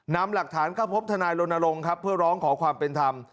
นำหลักฐานเข้าพบทนายรณรงค์ครับเพื่อร้องขอความเป็นธรรม